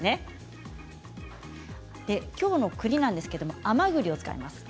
きょうのくりですが甘ぐりを使います。